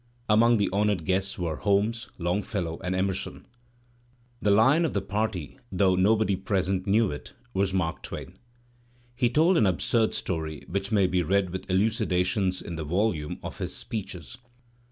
Among the honoured guests were Hohnes> Longfellow, and Emerson. The lion of the party, though nobody present knew it, was Mark Twain. He told an absurd stoiy which may be read with elucidations in the voliune of his "Speeches.